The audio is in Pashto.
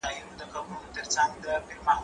زه اوس سبا ته فکر کوم